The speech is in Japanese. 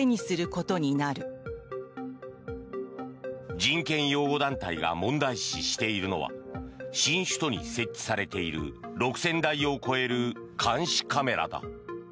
人権擁護団体が問題視しているのは新首都に設置されている６０００台を超える監視カメラだ。